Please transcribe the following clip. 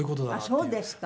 「あっそうですか」